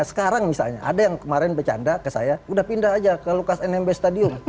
sekarang misalnya ada yang kemarin bercanda ke saya udah pindah aja ke lukas nmb stadium